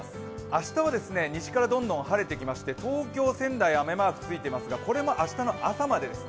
明日は西からどんどん晴れてきまして、東京、仙台は雨マークついていますがこれも明日の朝までです。